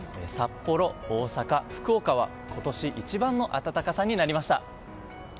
札幌、大阪、福岡は今年一番の暖かさになりました。